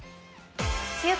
「週刊！